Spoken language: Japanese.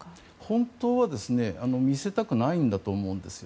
本当は見せたくないんだと思うんですよ。